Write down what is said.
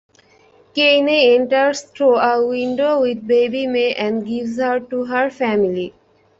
Kaine enters through a window with baby May and gives her to her family.